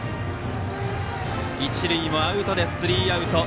一塁もアウトでスリーアウト。